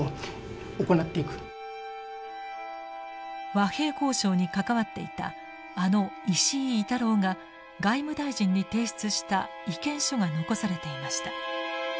和平交渉に関わっていたあの石射猪太郎が外務大臣に提出した意見書が残されていました。